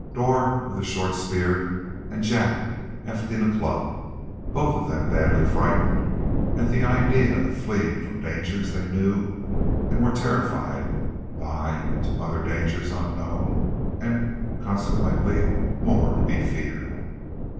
Dor with a short spear and Jak hefting a club, both of them badly frightened at the idea of fleeing from dangers they knew and were terrified by, to other dangers unknown and, consequently, more to be feared.